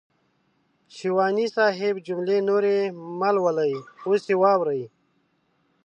شېواني صاحب جملې نورې مهلولئ اوس يې واورئ.